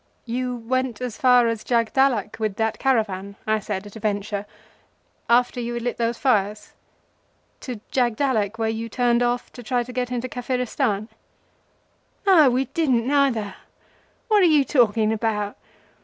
"You went as far as Jagdallak with that caravan," I said at a venture, "after you had lit those fires. To Jagdallak, where you turned off to try to get into Kafiristan." "No, we didn't neither. What are you talking about?